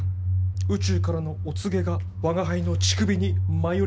宇宙からのお告げが我が輩の乳首に舞い降りてきます。